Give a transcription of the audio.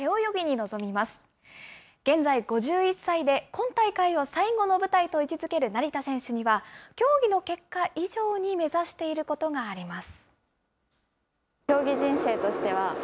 現在５１歳で、今大会を最後の舞台と位置づける成田選手には、競技の結果以上に目指していることがあります。